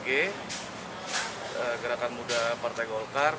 gerakan muda partai golkar